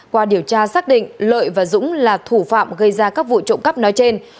qua điều tra xác định lợi và dũng là thủ phạm gây ra các vụ trộm cắp nói trên